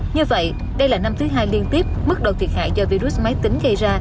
như vậy đây là năm thứ hai liên tiếp mức độ thiệt hại do virus máy tính gây ra